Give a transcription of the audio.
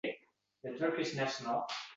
Biroq, avvallari havodek zarur ko‘rilgan.